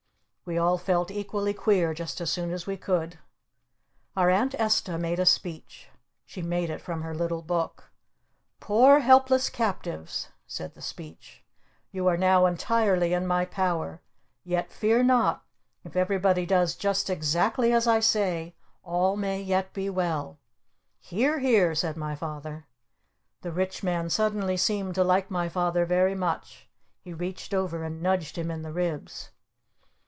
We all felt equally queer just as soon as we could. Our Aunt Esta made a speech. She made it from her little book. "Poor helpless Captives (said the Speech). You are now entirely in my power! Yet fear not! If everybody does just exactly as I say, all may yet be well!" "Hear! Hear!" said my Father. The Rich Man suddenly seemed to like my Father very much. He reached over and nudged him in the ribs.